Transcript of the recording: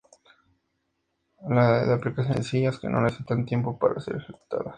Se trata de aplicaciones sencillas que no necesitan tiempo para ser ejecutadas.